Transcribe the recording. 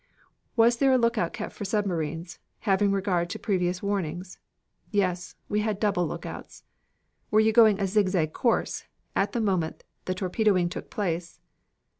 "Was there a lookout kept for submarines, having regard to previous warnings?" "Yes, we had double lookouts." "Were you going a zigzag course at the moment the torpedoing took place?"